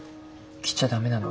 来ちゃ駄目なの？